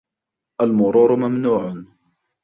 المرور ممنوع.